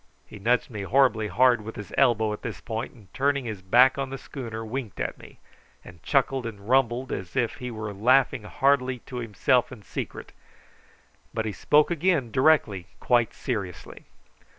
He nudged me horribly hard with his elbow at this point, and turning his back on the schooner winked at me, and chuckled and rumbled as if he were laughing heartily to himself in secret; but he spoke again directly quite seriously.